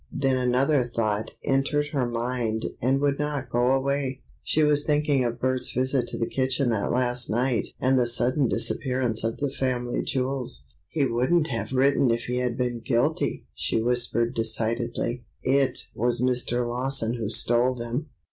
Then another thought entered her mind and would not go away. She was thinking of Bert's visit to the kitchen that last night and the sudden disappearance of the family jewels. "He wouldn't have written if he had been guilty," she whispered decidedly. "It was Mr. Lawson who stole them!